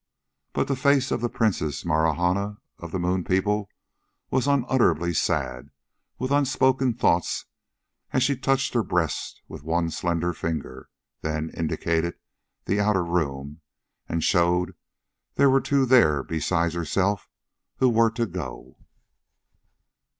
But the face of the Princess Marahna of the moon people was unutterably sad with unspoken thoughts as she touched her breast with one slender finger, then indicated the outer room and showed there were two there beside herself who were to go.